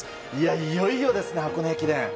いよいよですね、箱根駅伝。